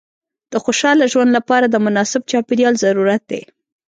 د خوشحاله ژوند لپاره د مناسب چاپېریال ضرورت دی.